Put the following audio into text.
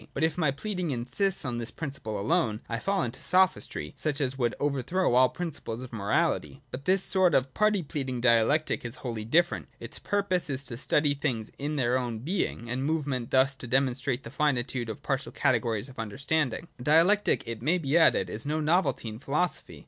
But if my pleading insists on this principle alone I fall into Sophistry, such as would overthrow all the principles of morahty. From this sort of party pleading Dialectic is 8i.J DIALECTIC. 1 49 wholly different ; its purpose is to study things in their own being and movement and thus to demonstrate the finitude of the partial categories of understanding. Dialectic, it may be added, is no novelty in philosophy.